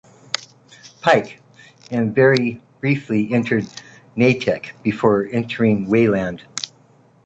Pike, and very briefly entering Natick before entering Wayland.